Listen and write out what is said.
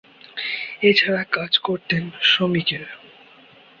এছাড়া কাজ করতেন শ্রমিকের।